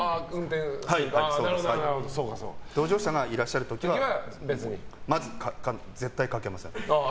同乗者がいらっしゃる時は絶対にかけません。